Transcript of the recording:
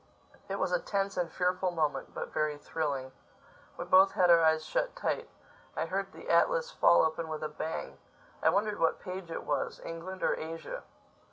It was a tense and fearful moment—but very thrilling. We both had our eyes shut tight. I heard the atlas fall open with a bang. I wondered what page it was: England or Asia.